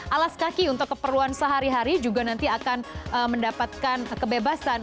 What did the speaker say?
alas kaki untuk keperluan sehari hari juga nanti akan mendapatkan kebebasan